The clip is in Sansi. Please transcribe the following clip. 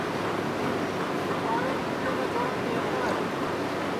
ہوں ٻاریں مِٹریں کا چوڑا پہرتا ہے